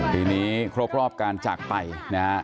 ปีนี้ครบรอบการจากไปนะฮะ